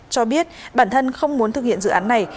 cho biết bản thân không muốn thực hiện dự án này